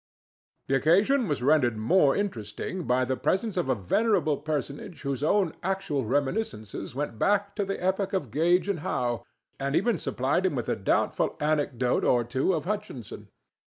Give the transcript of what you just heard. The occasion was rendered more interesting by the presence of a venerable personage whose own actual reminiscences went back to the epoch of Gage and Howe, and even supplied him with a doubtful anecdote or two of Hutchinson.